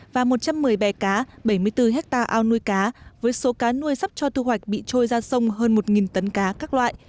và một trăm một mươi bè cá bảy mươi bốn hectare ao nuôi cá với số cá nuôi sắp cho thu hoạch bị trôi ra sông hơn một tấn cá các loại